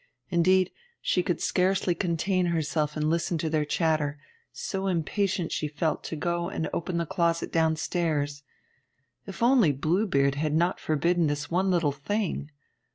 Indeed, she could scarcely contain herself and listen to their chatter, so impatient she felt to go and open the closet downstairs. If only Blue Beard had not forbidden this one little thing!